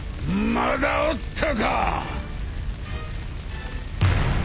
まだおったか。